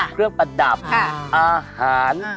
เครื่องประดับอาหาร